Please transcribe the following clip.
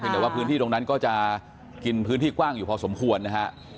แต่ว่าพื้นที่ตรงนั้นก็จะกินพื้นที่กว้างอยู่พอสมควรนะฮะ